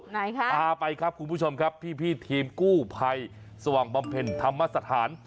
ไหนคะพาไปครับคุณผู้ชมครับพี่ทีมกู้ภัยสว่างบำเพ็ญธรรมสถาน